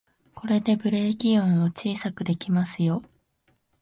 これでブレーキ音を小さくできますよ